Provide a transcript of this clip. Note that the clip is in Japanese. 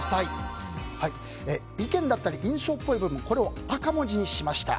意見だったり印象っぽい部分を赤文字にしました。